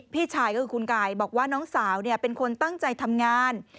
พี่ชายก็คือคุณกายบอกว่าน้องสาวเป็นคนตั้งใจทำงาน